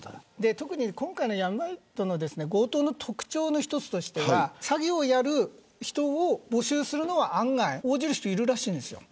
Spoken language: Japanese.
特に今回の闇バイトの強盗の特徴の一つとして詐欺をやる人を募集するのは案外応じる人がいるらしいです。